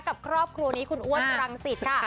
กับครอบครัวนี้คุณอ้วนรังสิตค่ะ